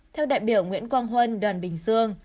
theo đại biểu nguyễn quang huân đoàn bình dương